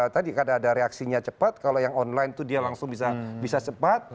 tadi karena ada reaksinya cepat kalau yang online itu dia langsung bisa cepat